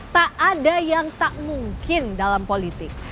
tak ada yang tak mungkin dalam politik